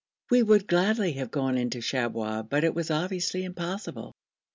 We would gladly have gone into Shabwa, but it was obviously impossible.